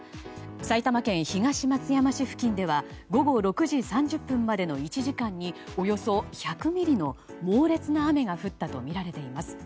埼玉県東松山市付近では午後６時３０分までの１時間におよそ１００ミリの猛烈な雨が降ったとみられています。